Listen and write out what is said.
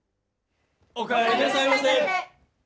お帰りなさいませ！